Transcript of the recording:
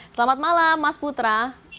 selamat malam mas putra